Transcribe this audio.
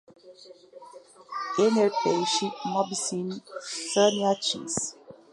Enerpeixe, Mobi Cine, Saneatins